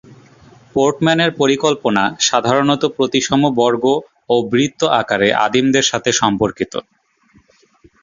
পোর্টম্যানের পরিকল্পনা সাধারণত প্রতিসম বর্গ ও বৃত্ত আকারে আদিমদের সাথে সম্পর্কিত।